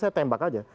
saya tembak aja